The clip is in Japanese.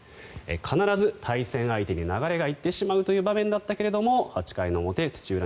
必ず対戦相手に流れが行ってしまうという場面だったけど８回の表土浦